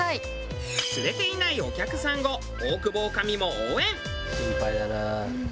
釣れていないお客さんを大久保女将も応援。